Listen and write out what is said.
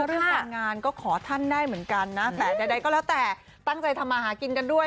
เรื่องการงานก็ขอท่านได้เหมือนกันนะแต่ใดก็แล้วแต่ตั้งใจทำมาหากินกันด้วย